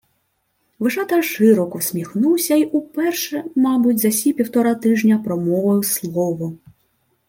Вишата широко всміхнувся й уперше, мабуть, за сі півтора тижня промовив слово: